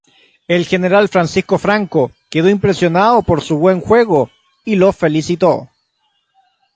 El General Francisco Franco, quedó impresionado por su buen juego y los felicitó.